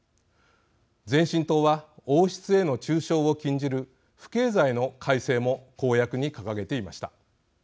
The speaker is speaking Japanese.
前進党は、王室への中傷を禁じる不敬罪の改正も公約に掲げていました。